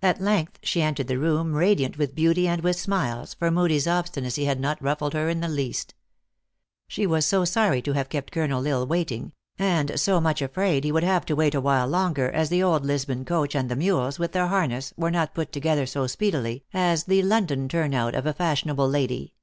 At length she entered the room radiant with beauty and with smiles, for Moodie s obstinacy had not ruffled her in the least. She was so sorry to have kept Colonel L Isle waiting, and so much afraid he would have to wait a w r hile longer, as the old Lisbon coach and the mules, with their harness, were not put to gether so speedily, as the London turn out of a fash ionable lady.